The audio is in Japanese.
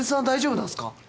大丈夫なんすか？